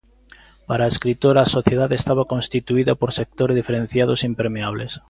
Para a escritora a sociedade estaba constituída por sectores diferenciados e impermeables.